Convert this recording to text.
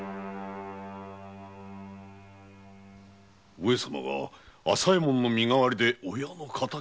上様が朝右衛門の身代わりで親の敵とは？